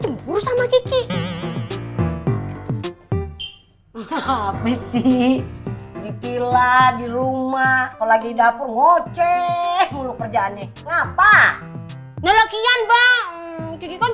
cemburu sama kiki apa sih di pila di rumah kalau lagi dapur ngoceh kerjaannya ngapa nyalakian bang